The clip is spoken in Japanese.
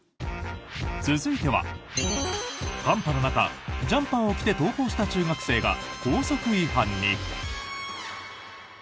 続いては、寒波の中ジャンパーを着て登校した中学生が校則違反に。